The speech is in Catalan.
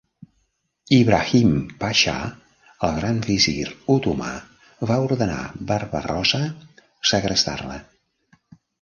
Ibrahim Pasha, el Gran Visir otomà, va ordenar Barba-rossa segrestar-la.